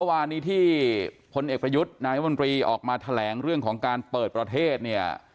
เมื่อวานนี้ที่พลเอกประยุทธ์นายมนตรีออกมาแถลงเรื่องของการเปิดประเทศเนี่ย